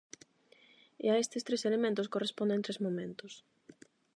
E a estes tres elementos corresponden tres momentos.